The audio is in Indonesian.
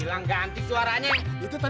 ada sesuatu yang hilang